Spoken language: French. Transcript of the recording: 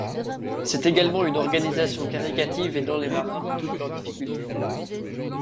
C'est également une organisation caritative aidant les marins dans toutes leurs difficultés.